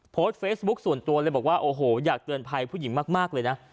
โพสต์เฟซบุ๊คส่วนตัวเลยบอกว่าโอ้โหอยากเตือนภัยผู้หญิงมากเลยนะ